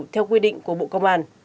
theo quy định của bộ công an